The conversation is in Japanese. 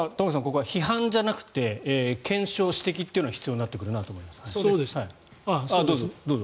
ここは批判じゃなくて検証・指摘というのは必要になってくると思います。